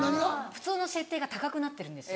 普通の設定が高くなってるんです。